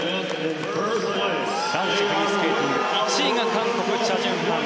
男子フリースケーティング、１位韓国のチャ・ジュンファン。